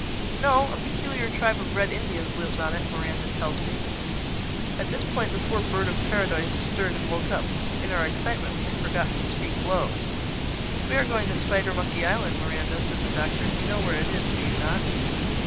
"No. A peculiar tribe of Red Indians lives on it, Miranda tells me." At this point the poor Bird of Paradise stirred and woke up. In our excitement we had forgotten to speak low. "We are going to Spidermonkey Island, Miranda," said the Doctor. "You know where it is, do you not?"